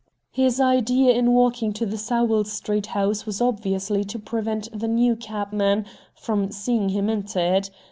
His idea in walking to the Sowell Street house was obviously to prevent the new cabman from seeing him enter it.